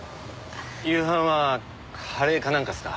夕飯はカレーかなんかですか？